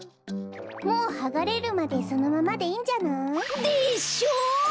もうはがれるまでそのままでいいんじゃない？でしょ？